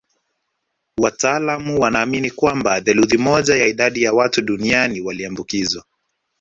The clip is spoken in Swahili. Wataalamu wanaamini kwamba theluthi moja ya idadi ya watu duniani waliambukizwa